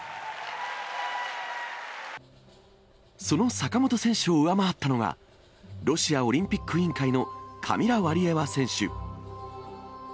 その坂本選手を上回ったのが、ロシアオリンピック委員会のカミラ・ワリエワ選手。